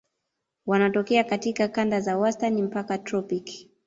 Wanatokea katika kanda za wastani mpaka tropiki.